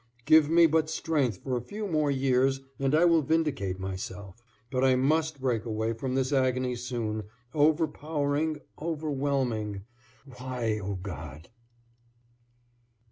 Give me but strength for a few more years and I will vindicate myself; but I must break away from this agony soon, overpowering, overwhelming Why, O God?